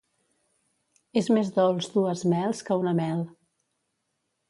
És més dolç dues mels que una mel.